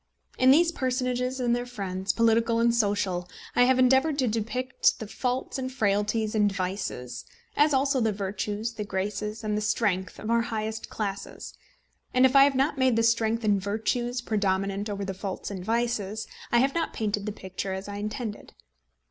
In these personages and their friends, political and social, I have endeavoured to depict the faults and frailties and vices, as also the virtues, the graces, and the strength of our highest classes; and if I have not made the strength and virtues predominant over the faults and vices, I have not painted the picture as I intended.